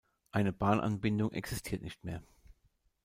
Eine Bahnanbindung existiert nicht mehr.